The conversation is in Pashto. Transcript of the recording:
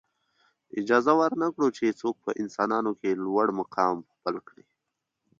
اجازه ورنه کړو چې څوک په انسانانو کې لوړ مقام خپل کړي.